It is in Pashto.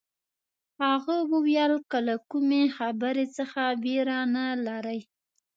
هغه وویل که له کومې خبرې څه بېره نه لرئ.